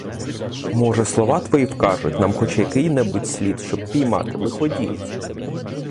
Може, слова твої вкажуть нам хоч який-небудь слід, щоб піймати лиходіїв?